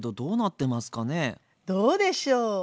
どうでしょう？